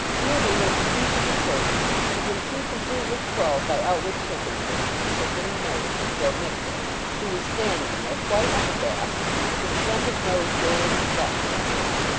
Ruby, when she reached the church, had been too completely quelled by outward circumstances to take any notice of Joe Mixet, who was standing there, quite unabashed, with a splendid nosegay in his button hole.